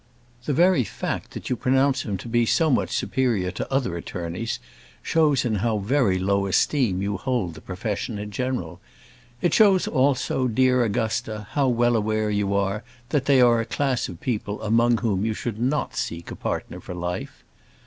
The very fact that you pronounce him to be so much superior to other attorneys, shows in how very low esteem you hold the profession in general. It shows also, dear Augusta, how well aware you are that they are a class of people among whom you should not seek a partner for life.